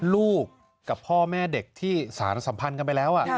ลูกกับพ่อแม่เด็กที่สารสัมพันธ์กันไปแล้ว